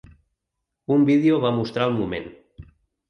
Un vídeo va mostrar el moment.